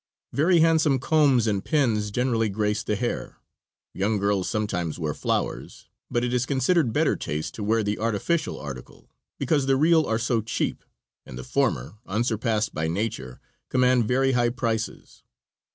Very handsome combs and pins generally grace the hair. Young girls sometimes wear flowers, but it is considered better taste to wear the artificial article, because the real are so cheap, and the former, unsurpassed by nature, command very high prices.